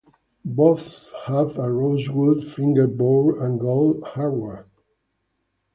Both have a rosewood fingerboard and gold hardware.